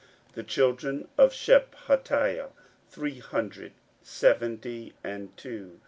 16:007:009 The children of Shephatiah, three hundred seventy and two.